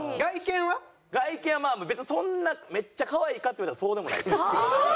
外見はまあ別にそんなめっちゃ可愛いかって言われたらそうでもないけど。